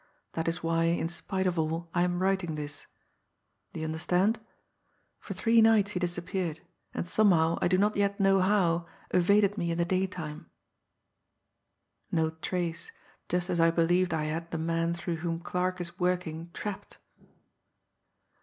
that is why, in spite of all, I am writing this ... do you understand? ... for three nights he disappeared, and somehow, I do not yet know how, evaded me in the daytime ... no trace, just as I believed I had the man through whom Clarke is working trapped